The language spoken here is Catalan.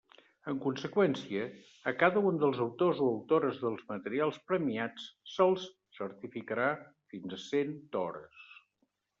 En conseqüència, a cada un dels autors o autores dels materials premiats se'ls certificarà fins a cent hores.